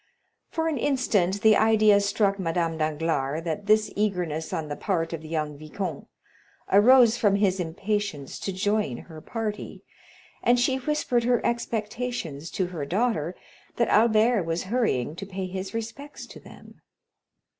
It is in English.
For an instant the idea struck Madame Danglars that this eagerness on the part of the young viscount arose from his impatience to join her party, and she whispered her expectations to her daughter, that Albert was hurrying to pay his respects to them.